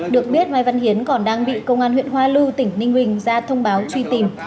được biết mai văn hiến còn đang bị công an huyện hoa lưu tỉnh ninh bình ra thông báo truy tìm